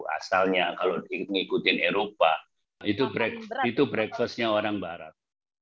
asalnya kalau mengikuti eropa itu breakfastnya orang barat